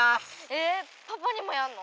えパパにもやんの？